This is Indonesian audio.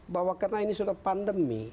bahwa karena ini sudah pandemi